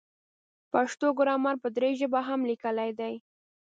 پښتو ګرامر په دري ژبه هم لیکلی دی.